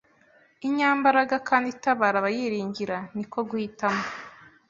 inyambaraga kandi itabara abayiringira. Niko guhitamo